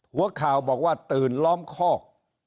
หัวข่าวบอกว่าตื่นล้อมคอก